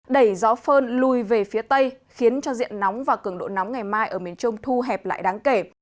đẩy gió phơn lùi về phía tây khiến cho diện nóng và cường độ nóng ngày mai ở miền trung thu hẹp lại đáng kể